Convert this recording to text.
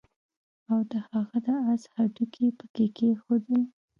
او د هغه د آس هډوکي يې پکي کېښودل